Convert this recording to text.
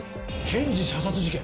検事射殺事件。